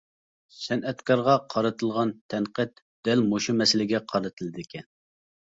سەنئەتكارغا قارىتىلغان تەنقىد دەل مۇشۇ مەسىلىگە قارىتىلىدىكەن.